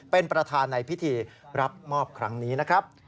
เป็นประธานในพิธีรับมอบครั้งนี้นะครับ